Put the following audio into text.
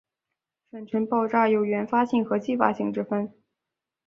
粉尘爆炸有原发性和继发性之分。